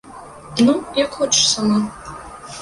Ну, як хочаш сама.